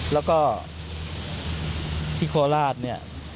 แล้วก็ที่โคราชเนี่ย